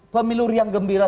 pemilu riang gembira